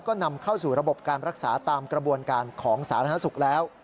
ก็นำเข้าสู่ระบบการรักษาตามกระบวนการของสาธารณสุขแล้ว